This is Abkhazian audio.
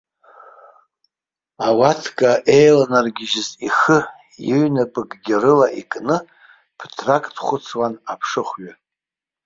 Ауатка еиланаргьежьыз ихы иҩнапыкгьы рыла икны, ԥыҭрак дхәыцуан аԥшыхәҩы.